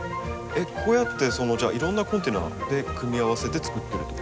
こうやってじゃあいろんなコンテナで組み合わせてつくってるってことですね。